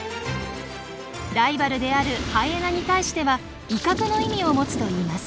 ライバルであるハイエナに対しては威嚇の意味を持つといいます。